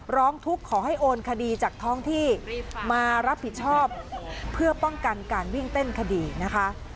ร้องทุกข์ขอให้โอนคดีจากท้องที่มารับผิดชอบเพื่อป้องกันการวิ่งเต้นคดีนะคะ